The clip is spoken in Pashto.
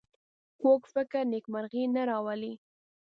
کوږ فکر نېکمرغي نه راولي